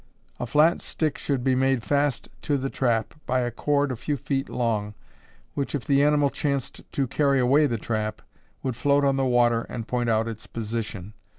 A flat stick should be made fast to the trap by a cord a few feet long, which, if the animal chanced to carry away the trap, would float on the water and point out its position.